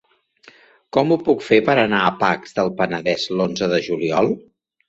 Com ho puc fer per anar a Pacs del Penedès l'onze de juliol?